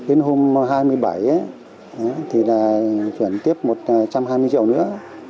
đến hôm hai mươi bảy thì là chuyển tiếp một trăm hai mươi triệu nữa